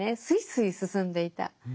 すいすい進んでいた。